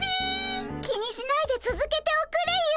気にしないでつづけておくれよ。